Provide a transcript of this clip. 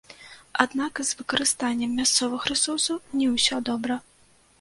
Аднак і з выкарыстаннем мясцовых рэсурсаў не ўсё добра.